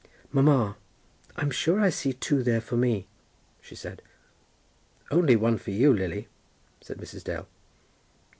"Mamma, I'm sure I see two there for me," she said. "Only one for you, Lily," said Mrs. Dale.